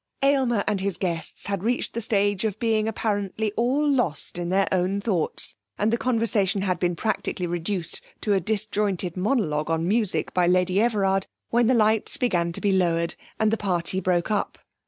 Aylmer and his guests had reached the stage of being apparently all lost in their own thoughts, and the conversation had been practically reduced to a disjointed monologue on music by Lady Everard, when the lights began to be lowered, and the party broke up.